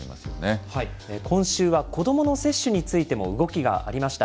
今週は子どもの接種についても動きがありました。